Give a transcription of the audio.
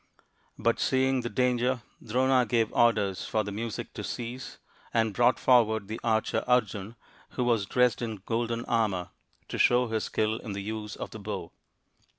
But, seeing the danger, Drona gave orders for the music to cease, and brought forward the archer Arjun, who was dressed in golden armour, to show his skill in the use of the bow.